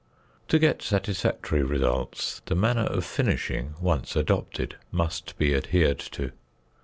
To get satisfactory results, the manner of finishing once adopted must be adhered to.